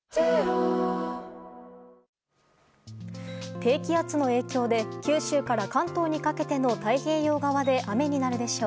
低気圧の影響で、九州から関東にかけての太平洋側で雨になるでしょう。